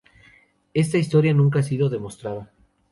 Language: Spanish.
Esta historia nunca ha sido demostrada.